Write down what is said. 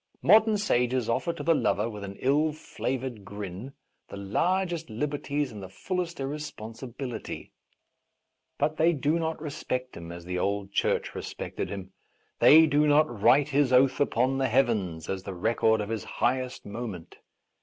Modern sages offer to the lover, with an ill flavoured grin, the largest liberties and the fullest irresponsibility ; but they do not respect him as the old Church respected him ; they do not write his oath upon the heavens, as the record of A Defence of Rash Vows his highest moment.